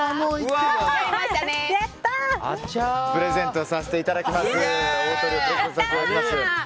オートリオをプレゼントさせていただきます。